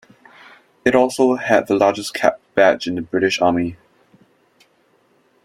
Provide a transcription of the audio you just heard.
It also had the largest cap badge in the British Army.